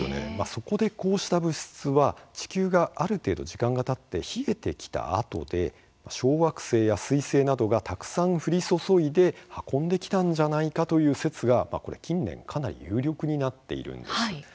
そこで、こうした物質は地球がある程度、時間がたって冷えてきたあとで小惑星やすい星などがたくさん降り注いで運んできたんじゃないかという説が、近年かなり有力になっているんです。